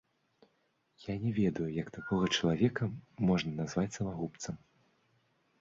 Я не ведаю, як такога чалавека можна назваць самагубцам.